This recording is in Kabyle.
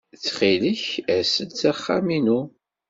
Ttxil-k, as-d s axxam-inu.